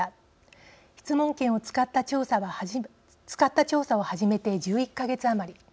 質問権を使った調査を始めて１１か月余り。